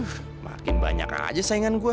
huh makin banyak aja saingan gua